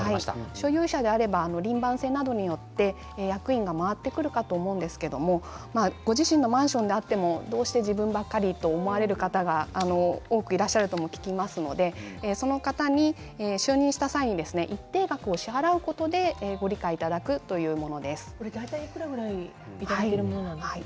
所有者であれば輪番制によって役員が回ってくるかと思うんですがご自身のマンションであってもどうしても自分ばかりと思われる方が多くいらっしゃると聞きますのでその方に就任した際に一定額を支払うことでいくらぐらいなんですか？